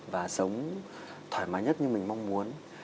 và sống thoải mái nhất như mình mong muốn